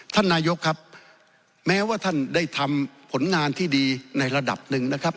ท่านนายกครับแม้ว่าท่านได้ทำผลงานที่ดีในระดับหนึ่งนะครับ